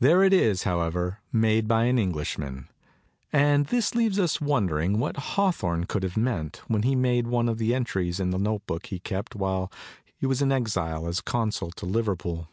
There it is, however, made by an Englishman; and this leaves us wondering what Hawthorne could have meant when he made one of the entries in the notebook he kept while he was in exile as consul to Liverpool.